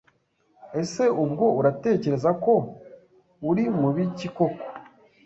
Ese ubwo uratekereza ko uri mu biki koko